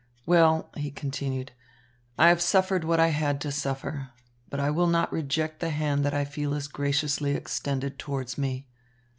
Well," he continued, "I have suffered what I had to suffer; but I will not reject the hand that I feel is graciously extended towards me.